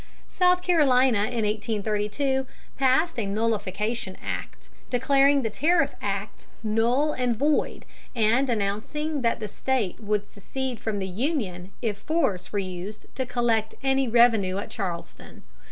South Carolina in 1832 passed a nullification act declaring the tariff act "null and void" and announcing that the State would secede from the Union if force were used to collect any revenue at Charleston.